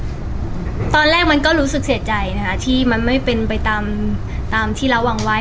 ตอนแรกมันก็รู้สึกเสียใจนะคะที่มันไม่เป็นไปตามตามที่เราวางไว้